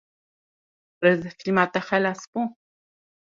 Rêzefîlma te xilas bû?